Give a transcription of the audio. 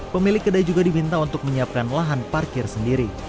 pemilik kedai juga diminta untuk menyiapkan lahan parkir sendiri